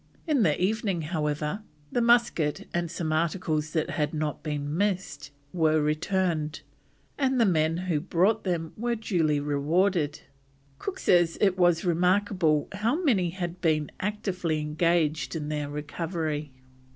In the evening, however, the musket and some articles that had not been missed were returned, and the men who brought them were duly rewarded. Cook says it was remarkable how many had been actively engaged in their recovery.